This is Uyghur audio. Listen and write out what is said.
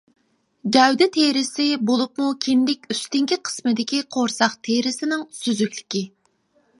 گەۋدە تېرىسى، بولۇپمۇ كىندىك ئۈستۈنكى قىسمىدىكى قورساق تېرىسىنىڭ سۈزۈكلۈكى.